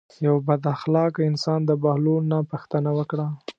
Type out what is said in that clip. یو بد اخلاقه انسان د بهلول نه پوښتنه وکړه.